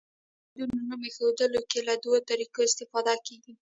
د اکسایډونو نوم ایښودلو کې له دوه طریقو استفاده کیږي.